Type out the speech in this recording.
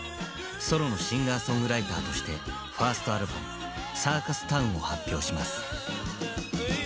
ソロのシンガーソングライターとしてファーストアルバム「ＣＩＲＣＵＳＴＯＷＮ」を発表します。